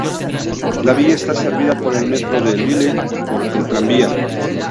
La villa está servida por el metro de Lille y por el tranvía.